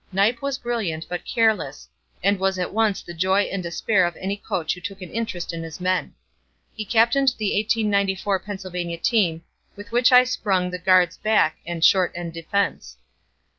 Knipe was brilliant but careless, and was at once the joy and despair of any coach who took an interest in his men. He captained the 1894 Pennsylvania team with which I sprung the 'guards back' and 'short end defense.'